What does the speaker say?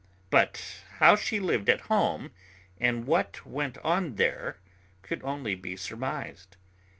But how she lived at home and what went on there, could only be surmised.